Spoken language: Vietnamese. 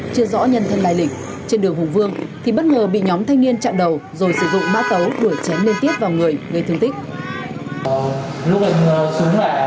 chưa rõ nhân thân lai lịch trên đường hùng vương thì bất ngờ bị nhóm thanh niên chặn đầu rồi sử dụng mã tấu đuổi chém liên tiếp vào người gây thương tích